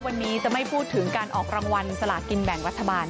วันนี้จะไม่พูดถึงการออกรางวัลสลากินแบ่งรัฐบาล